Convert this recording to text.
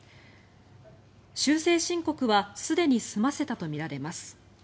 修正申告はすでに済ませたとみられます。